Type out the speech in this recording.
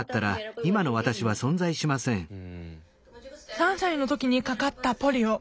３歳の時にかかったポリオ。